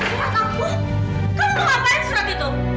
aku mau ngapain surat itu